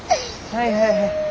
はいはいはい。